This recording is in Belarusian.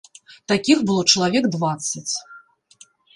Такіх было чалавек дваццаць.